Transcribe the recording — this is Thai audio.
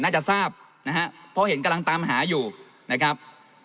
น่าจะทราบนะฮะเพราะเห็นกำลังตามหาอยู่นะครับ